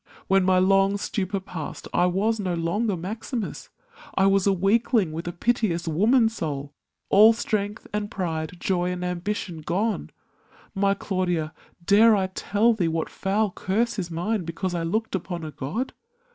When my long stupor passed I was no longer Maximus — I was A weakling with a piteous woman soul. All strength and pride, joy and ambition gone — My Claudia, dare I tell thee what foul curse Is mine because I looked upon a god?